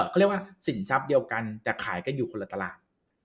เขาเรียกว่าสินทรัพย์เดียวกันแต่ขายกันอยู่คนละตลาด